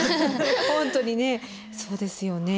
本当にねそうですよね。